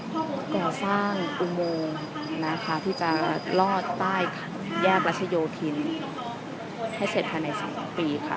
ก่อสร้างอุโมงนะคะที่จะรอดใต้แยกรัชโยธินให้เสร็จภายใน๒ปีค่ะ